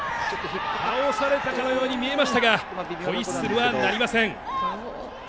倒されたかのように見えましたがホイッスルは鳴りません。